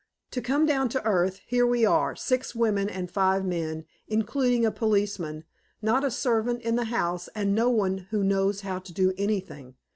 To come down to earth: here we are, six women and five men, including a policeman, not a servant in the house, and no one who knows how to do anything.